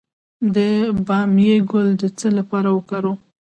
د بامیې ګل د څه لپاره وکاروم؟